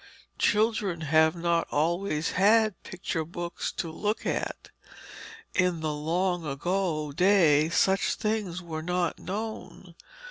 Children have not always had picture books to look at. In the long ago days such things were not known.